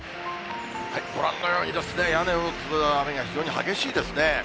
ご覧のように屋根を打つ雨が非常に激しいですね。